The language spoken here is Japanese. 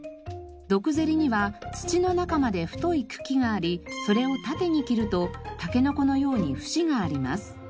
ドクゼリには土の中まで太い茎がありそれを縦に切るとタケノコのように節があります。